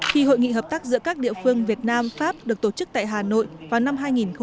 khi hội nghị hợp tác giữa các địa phương việt nam pháp được tổ chức tại hà nội vào năm hai nghìn hai mươi